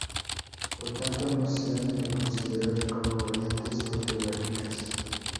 Por tanto no se han de considerar como variantes ortográficas.